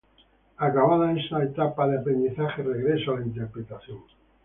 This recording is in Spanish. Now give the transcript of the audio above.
Acabada esta etapa de aprendizaje regresa a la interpretación.